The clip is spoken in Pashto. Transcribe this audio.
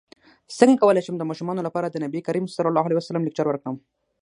څنګه کولی شم د ماشومانو لپاره د نبي کریم ص لیکچر ورکړم